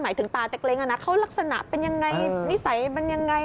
หมายถึงปลาเต็กเล้งเขาลักษณะเป็นอย่างไรนิสัยเป็นอย่างไร